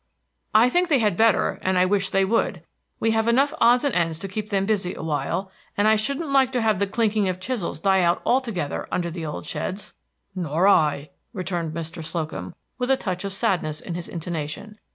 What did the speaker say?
"I think they had better, and I wish they would. We have enough odds and ends to keep them busy awhile, and I shouldn't like to have the clinking of chisels die out altogether under the old sheds." "Nor I," returned Mr. Slocum, with a touch of sadness in his intonation.